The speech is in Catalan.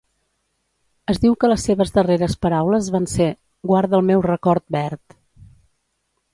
Es diu que les seves darreres paraules van ser: Guarda el meu record verd.